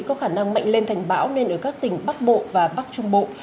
có khả năng mạnh lên thành bão nên ở các tỉnh bắc bộ và bắc trung bộ